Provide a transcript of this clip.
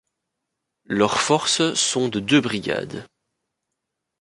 Leurs forces sont de deux brigades.